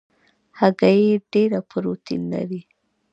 هګۍ ډېره پروټین لري.